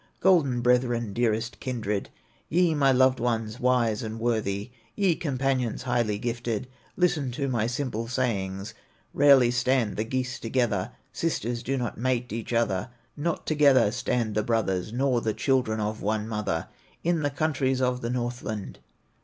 "Golden brethren, dearest kindred, Ye, my loved ones, wise and worthy Ye companions, highly gifted, Listen to my simple sayings: Rarely stand the geese together, Sisters do not mate each other, Not together stand the brothers, Nor the children of one mother, In the countries of the Northland.